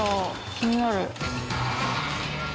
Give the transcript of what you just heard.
気になる。